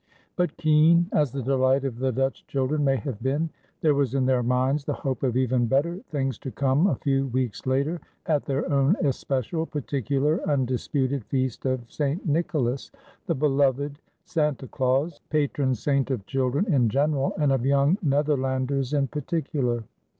But keen as the delight of the Dutch children may have been, there was in their minds the hope of even better things to come a few weeks later, at their own especial, particular, undisputed feast of St. Nicholas, the beloved Santa Claus, patron saint of children in general and of young Netherlanders in particular.